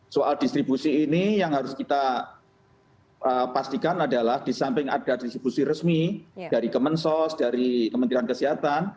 soal distribusi ini yang harus kita pastikan adalah di samping ada distribusi resmi dari kemensos dari kementerian kesehatan